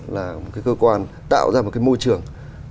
là một cái cơ quan tạo ra một cái môi trường